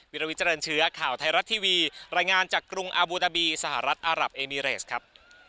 รวิเจริญเชื้อข่าวไทยรัฐทีวีรายงานจากกรุงอาบูดาบีสหรัฐอารับเอมิเรสครับ